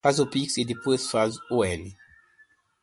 Faz o pix e depois faz o L